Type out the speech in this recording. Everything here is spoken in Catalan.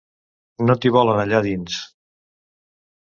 No t’hi volen allà dins.